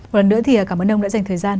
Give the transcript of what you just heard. một lần nữa thì cảm ơn ông đã dành thời gian